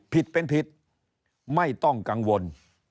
ผิดเป็นผิดไม่ต้องกังวล